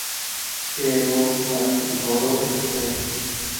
اي رو رنگ ڌوڙو ڇي۔